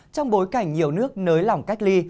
trong bối cảnh nhiều nước nới lỏng cách ly